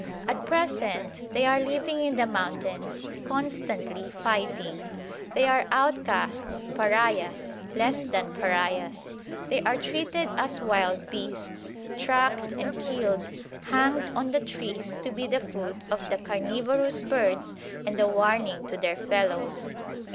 "At present they are living in the mountains, constantly fighting. They are outcasts, pariahs, less than pariahs. They are treated as wild beasts; tracked and killed, hanged on the trees to be the food of the carnivorous birds and a warning to their fellows.